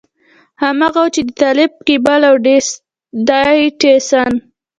هماغه و چې د طالب کېبل او ډاټسن.